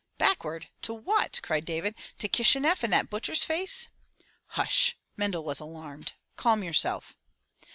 "Backward— to what?" cried David. "To Kishineff and that butcher's face?" "Hush!" Mendel was alarmed. "Calm yourself."